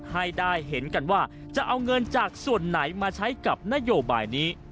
ให้ได้เห็นกันว่าจะเอาเงินจากส่วนไหนมาใช้กับนโยบายนี้